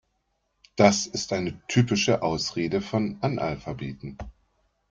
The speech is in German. Das ist eine typische Ausrede von Analphabeten.